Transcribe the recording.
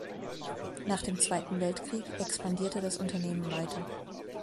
Nach dem Zweiten Weltkrieg expandierte das Unternehmen weiter.